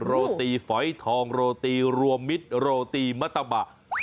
โรตีฝอยทองโรตีรวมมิตรโรตีมัตตะบะ